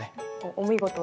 お見事。